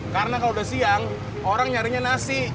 karena kalau udah siang orang nyarinya nasi